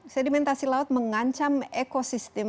sedimentasi laut mengancam ekosistem